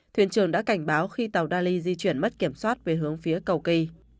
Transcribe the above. thuyền trưởng đã cảnh báo khi tàu dali di chuyển mất kiểm soát về hướng phía cầu kỳ